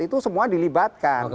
itu semua dilibatkan